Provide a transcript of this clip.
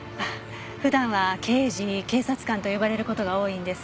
普段は刑事警察官と呼ばれる事が多いんです。